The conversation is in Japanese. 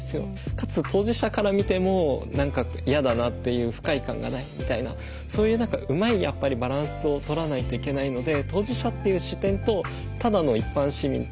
かつ当事者から見ても何か嫌だなっていう不快感がないみたいなそういう何かうまいやっぱりバランスをとらないといけないので。